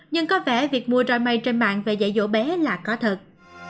nhưng có vẻ việc mua roi mây trên mạng về dạy dỗ bé là có thật